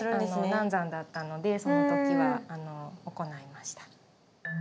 難産だったのでその時は行いました。